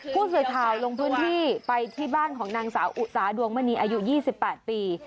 ผู้สื่อข่าวลงพื้นที่ไปที่บ้านของนางสาวอุสาดวงมณีอายุ๒๘ปี